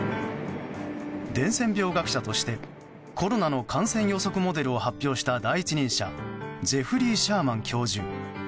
伝染病学者としてコロナの感染予測モデルを発表した第一人者ジェフリー・シャーマン教授。